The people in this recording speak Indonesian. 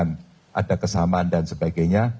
ada persidangan ada kesamaan dan sebagainya